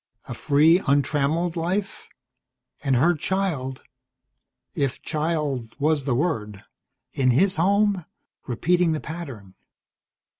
A free, untrammelled life. And her child if child was the word in his home, repeating the pattern.